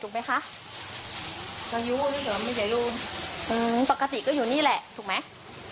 ถูกไหมคะอยู่นี่แหละไม่ได้รู้อืมปกติก็อยู่นี่แหละถูกไหม